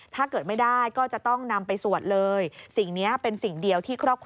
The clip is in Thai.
ถ้าเกิดไม่ได้ก็จะต้องนำไปสวดเลย